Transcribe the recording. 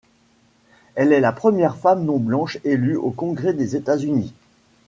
Elle est la première femme non blanche élue au Congrès des États-Unis.